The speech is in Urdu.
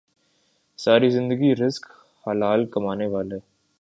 ساری زندگی رزق حلال کمانے والے